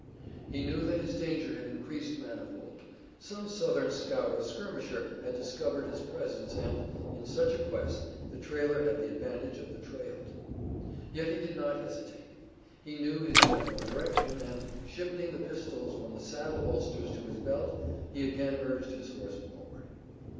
He knew that his danger had increased manifold. Some Southern scout or skirmisher had discovered his presence and, in such a quest, the trailer had the advantage of the trailed. Yet he did not hesitate. He knew his general direction and, shifting the pistols from the saddle holsters to his belt he again urged his horse forward.